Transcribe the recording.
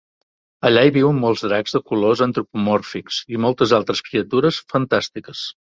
Allà hi viuen molts dracs de colors antropomòrfics i moltes altres criatures fantàstiques.